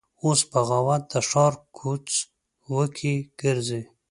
اوس بغاوت د ښار کوڅ وکې ګرځي